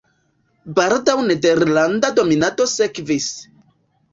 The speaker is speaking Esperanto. Baldaŭ nederlanda dominado sekvis.